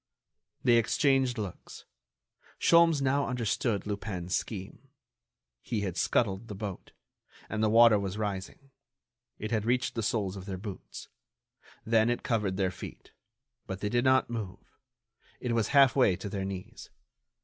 They exchanged looks. Sholmes now understood Lupin's scheme: he had scuttled the boat. And the water was rising. It had reached the soles of their boots. Then it covered their feet; but they did not move. It was half way to their knees.